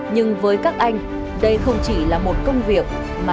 nhưng với các anh đây không chỉ là một công việc mà